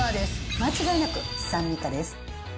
間違いなく３ミカです。